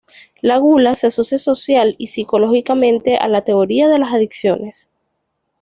La gula se asocia social y psicológicamente a la teoría de las adicciones.